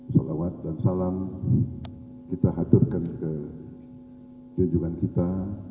salawat dan salam kita aturkan ke tujuan kita